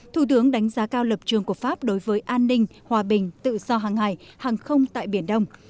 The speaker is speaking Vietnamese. thủ tướng đánh giá cao lập trường của pháp đối với an ninh hòa bình tự do hàng hải hàng không tại biển đông